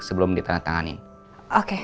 sebelum ditandatangani oke